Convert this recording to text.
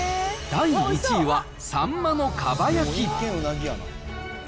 第１位は、サンマのかば焼き。